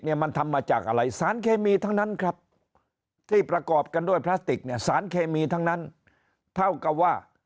มันทำมาจากอะไรสารเคมีทั้งนั้นครับที่ประกอบกันด้วยพลาสติกเนี่ยสารเคมีทั้งนั้นเท่ากับว่า